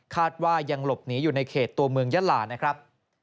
ว่ายังหลบหนีอยู่ในเขตตัวเมืองยาลานะครับ